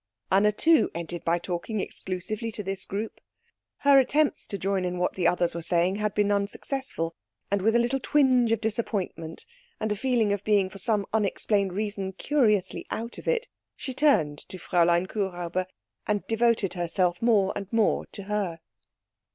Anna, too, ended by talking exclusively to this group. Her attempts to join in what the others were saying had been unsuccessful; and with a little twinge of disappointment, and a feeling of being for some unexplained reason curiously out of it, she turned to Fräulein Kuhräuber, and devoted herself more and more to her.